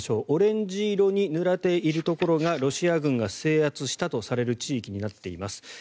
オレンジ色に塗られているところがロシア軍が制圧した地域になっています。